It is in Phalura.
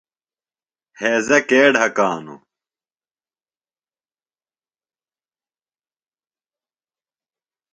ہیضہ کے ڈھکانوۡ؟